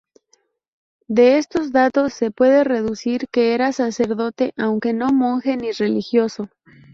De esos datos se puede deducir que era sacerdote aunque no monje ni religioso.